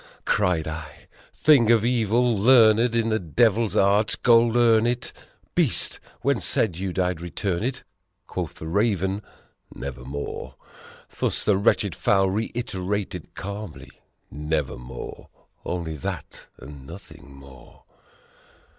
Cried I, "Thing of evil, learned in the devil's art! Goldurn it ! Beast! when said you I'd return it?" Quoth the Raven, "Nevermore!" Thus the wretched fowl reiterated calmly, "Never more." Only that and nothing more.